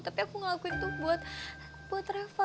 tapi aku ngelakuin itu buat reva